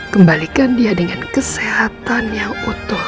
kembalikan dia dengan kesehatan yang utuh